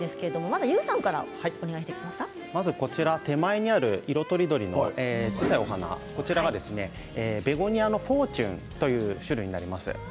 手前にある色とりどりの小さいお花ベゴニアのフォーチュンという種類です。